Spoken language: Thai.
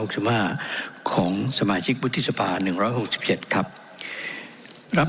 ของสมาชิกวุฒิสภาหนึ่งร้อยหกสิบเจ็ดครับรับ